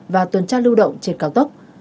và tuần tra lưu động trên cao tốc